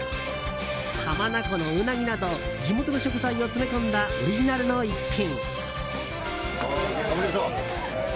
浜名湖のウナギなど地元の食材を詰め込んだオリジナルの逸品。